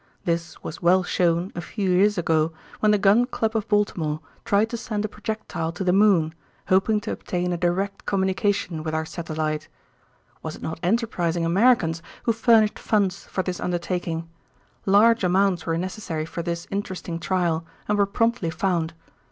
This was well shown a few years ago when the Gun Club of Baltimore tried to send a projectile to the moon, hoping to obtain a direct communication with our satellite. Was it not enterprising Americans who furnished funds for this undertaking? Large amounts were necessary for this interesting trial and were promptly found.